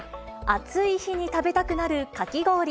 暑い日に食べたくなるかき氷。